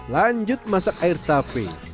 lanjut masak air tape